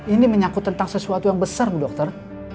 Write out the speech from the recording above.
ini menyakut tentang sesuatu yang besar bu dokter